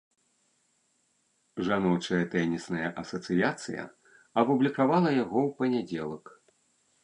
Жаночая тэнісная асацыяцыя апублікавала яго ў панядзелак.